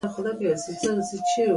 • ژړا د احساساتو د شدت پایله ده.